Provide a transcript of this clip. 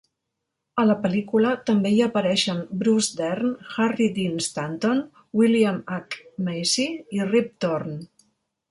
A la pel·lícula també hi apareixen Bruce Dern, Harry Dean Stanton, William H. Macy i Rip Torn.